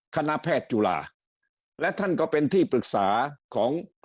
คณะแพทย์จุฬาและท่านก็เป็นที่ปรึกษาของ